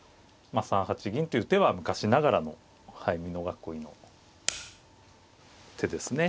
３八銀っていう手は昔ながらの美濃囲いの手ですね。